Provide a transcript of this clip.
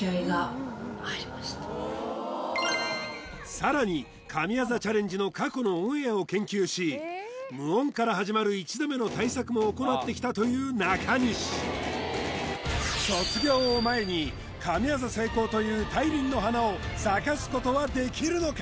さらに神業チャレンジの過去のオンエアを研究し無音から始まる１打目の対策も行ってきたという中西卒業を前に神業成功という大輪の花を咲かすことはできるのか？